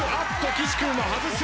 岸君は外す。